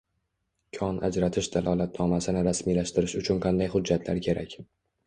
kon ajratish dalolatnomasini rasmiylashtirish uchun qanday xujjatlar kerak?